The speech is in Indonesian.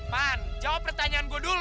pan jawab pertanyaan gue dulu